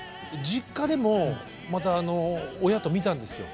実家でもまた親と見たんですよ。